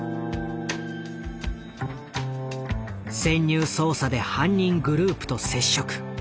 潜入捜査で犯人グループと接触。